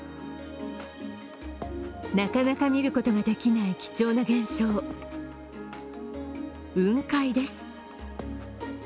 なかなか見ることができない貴重な現象、雲海です。